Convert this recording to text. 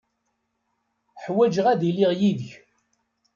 Ḥwajeɣ ad iliɣ yid-k.